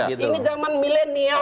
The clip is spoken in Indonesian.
ini zaman millennial